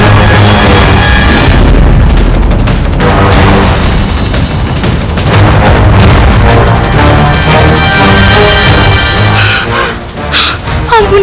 apa kau sudah puas bertawa